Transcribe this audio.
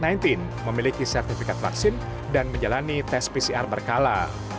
mereka memiliki sertifikat vaksin dan menjalani tes pcr berkala